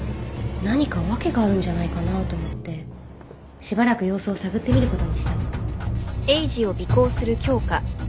何か訳があるんじゃないかなと思ってしばらく様子を探ってみることにしたの。